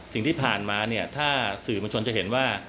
สิ่งที่ผ่านมาเนี่ยถ้าสื่อมวลชนจะเห็นว่า